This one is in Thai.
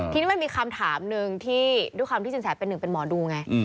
ทีนี้มันมีคำถามหนึ่งที่ด้วยความที่สินแสเป็นหนึ่งเป็นหมอดูไง